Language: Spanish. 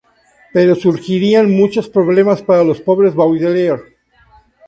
Pero surgirán muchos problemas para los pobres Baudelaire.